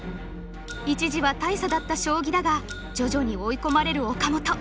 一時は大差だった将棋だが徐々に追い込まれる岡本。